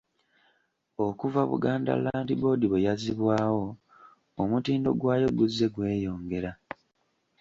Okuva Buganda Land Board bwe yazzibwawo, omutindo gwayo guzze gweyongera.